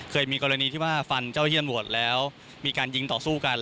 เคยมีกรณีที่ว่าฟันเจ้าที่ตำรวจแล้วมีการยิงต่อสู้กัน